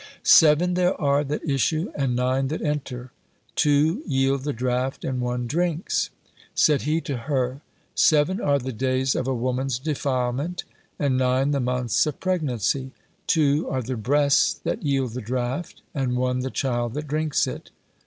"Seven there are that issue and nine that enter; two yield the draught and one drinks." Said he to her: "Seven are the days of a woman's defilement, and nine the months of pregnancy; two are the breasts that yield the draught, and one the child that drinks it."